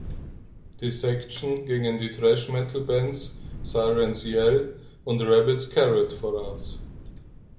Dissection gingen die Thrash-Metal-Bands Siren’s Yell und Rabbit’s Carrot voraus.